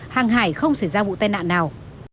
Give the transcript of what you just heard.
hàng hải không xảy ra vụ tai nạn nào